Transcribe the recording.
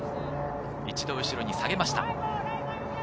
一度、後ろに下げました。